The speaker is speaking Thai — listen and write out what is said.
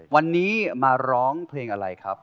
วันนี้มาร้องเพลงอะไรครับ